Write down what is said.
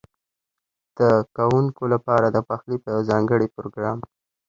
ده کوونکو لپاره د پخلي په یوه ځانګړي پروګرام